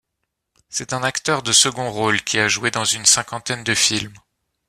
C'est un acteur de second rôle qui a joué dans une cinquantaine de films.